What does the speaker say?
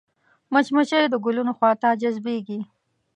مچمچۍ د ګلونو خوا ته جذبېږي